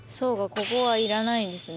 ここはいらないんですね